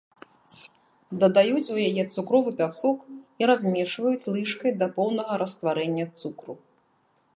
Дадаюць у яе цукровы пясок і размешваюць лыжкай да поўнага растварэння цукру.